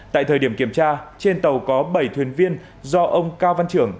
tại thời điểm kiểm tra trên tàu có bảy thuyền viên do ông cao văn trưởng